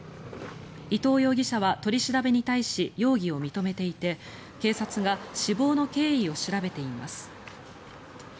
伊藤容疑者は取り調べに対し容疑を認めていて警察が死亡の経緯を調べています。